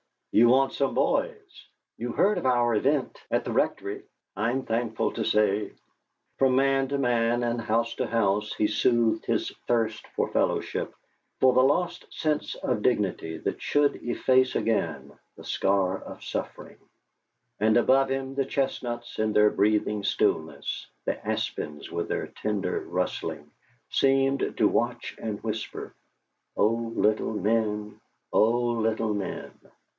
You want some boys! You heard of our event at the Rectory? I'm thankful to say " From man to man and house to house he soothed his thirst for fellowship, for the lost sense of dignity that should efface again the scar of suffering. And above him the chestnuts in their breathing stillness, the aspens with their tender rustling, seemed to watch and whisper: "Oh, little men! oh, little men!"